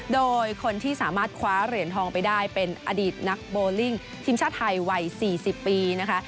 โดยคนที่สามารถคว้าเหรียญทองไปได้เป็นอดีตนักโบลิ่งทีมชาติไทยวัย๔๐ปีนะคะ